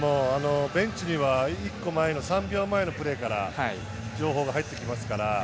ベンチには１個前の３秒前のプレーから情報が入ってきますから。